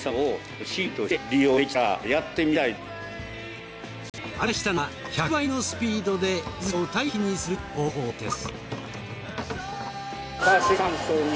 編み出したのが１００倍のスピードで水草を堆肥にする方法です。